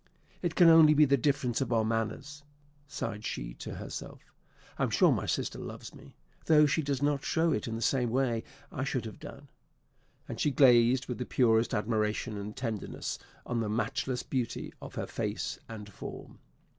"It can only be the difference of our manners," sighed she to herself; "I am sure my sister loves me, though she does not show it in the same way I should have done;" and she gazed with the purest admiration and tenderness on the matchless beauty of her face and form.